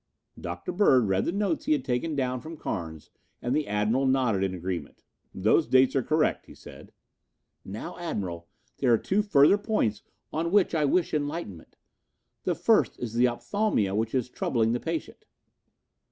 Dr. Bird read the notes he had taken down from Carnes and the Admiral nodded agreement. "Those dates are correct," he said. "Now, Admiral, there are two further points on which I wish enlightenment. The first is the opthalmia which is troubling the patient."